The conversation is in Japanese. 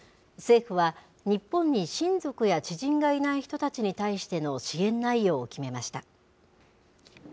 政府は、日本に親族や知人がいない人たちに対しての支援内容を決めました。